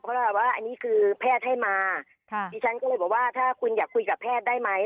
เพราะว่าอันนี้คือแพทย์ให้มาค่ะดิฉันก็เลยบอกว่าถ้าคุณอยากคุยกับแพทย์ได้ไหม